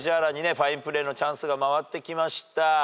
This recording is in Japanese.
ファインプレーのチャンスが回ってきました。